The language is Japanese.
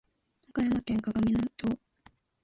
岡山県鏡野町